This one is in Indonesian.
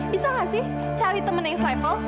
bisa gak sih cari temen yang selevel